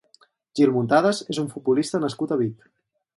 Gil Muntadas és un futbolista nascut a Vic.